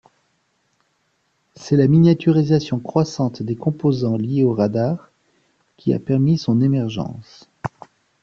C'est la miniaturisation croissante des composants liées au radar qui a permis son émergence.